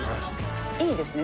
いいですね。